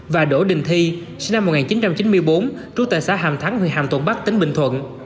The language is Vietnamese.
và đỗ đình thi sinh năm một nghìn chín trăm chín mươi bốn trú tại xã hàm thắng huyện hàm thuận bắc tỉnh bình thuận